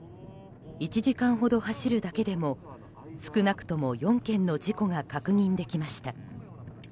１時間ほど走るだけでも少なくとも４件の事故が確認できました。